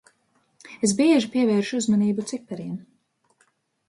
Es bieži pievēršu uzmanību cipariem.